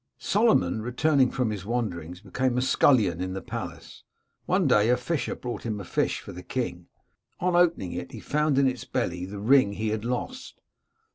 Solomon, returning from his wanderings, became scullion in the palace. One day a fisher brought him a fish for the king. On open ing it, he found in its belly the ring he had lost.